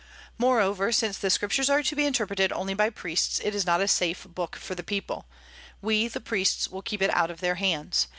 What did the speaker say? Moreover, since the Scriptures are to be interpreted only by priests, it is not a safe book for the people. We, the priests, will keep it out of their hands.